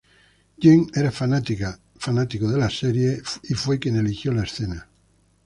Jean era fanático de la serie y fue quien eligió la escena.